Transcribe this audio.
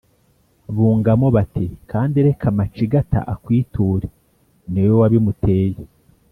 bungamo, bati: «kandi reka macigata akwiture ni wowe wabimuteye